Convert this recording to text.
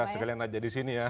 sekalian aja di sini ya